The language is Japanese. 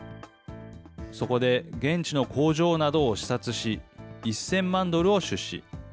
そこで現地の工場などを視察し、１０００万ドルを出資。